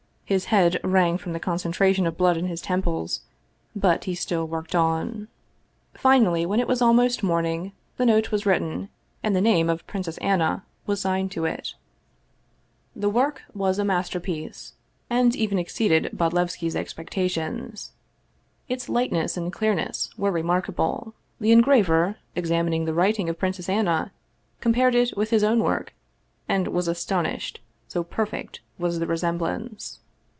His head rang from the concentration of blood in his temples, but he still worked on. Finally, when it was almost morning, the note was writ ten, and the name of Princess Anna was signed to it. The 185 Russian Mystery Stories work was a masterpiece, and even exceeded Bodlevski's expectations. Its lightness and clearness were remarkable. The engraver, examining the writing of Princess Anna, compared it with his own work, and was astonished, so perfect was the resemblance.